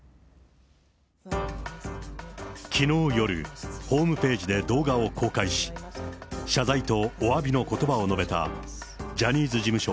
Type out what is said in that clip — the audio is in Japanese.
きのう夜、ホームページで動画を公開し、謝罪とおわびのことばを述べたジャニーズ事務所、